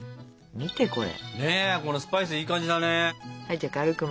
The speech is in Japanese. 見てこれ！